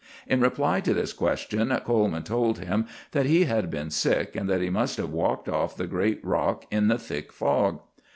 In reply to this question, Coleman told him that he had been sick, and that he must have walked off the great rock in the thick fog.